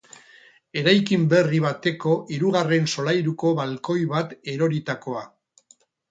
Eraikin berri bateko hirugarren solairuko balkoi bat da eroritakoa.